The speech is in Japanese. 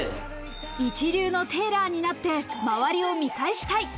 一流のテーラーになって周りを見返したい。